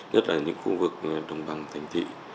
nhất là những khu vực đồng bằng thành thị